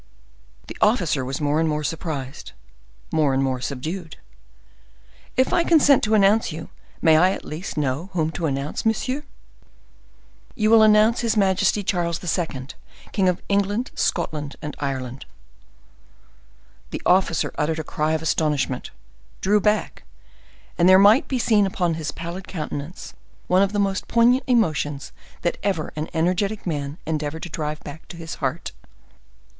The officer was more and more surprised, more and more subdued. "If I consent to announce you, may I at least know whom to announce, monsieur?" "You will announce His Majesty Charles II., King of England, Scotland, and Ireland." The officer uttered a cry of astonishment, drew back, and there might be seen upon his pallid countenance one of the most poignant emotions that ever an energetic man endeavored to drive back to his heart.